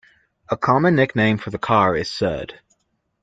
A common nickname for the car is "'Sud".